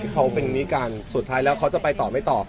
ที่เขาเป็นอย่างนี้กันสุดท้ายแล้วเขาจะไปต่อไม่ต่อ